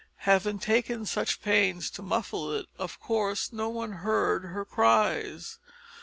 Having taken such pains to muffle it, of course no one heard her cries.